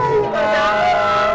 selamat datang mama mama